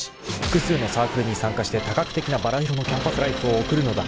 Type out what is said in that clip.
複数のサークルに参加して多角的なばら色のキャンパスライフを送るのだ！］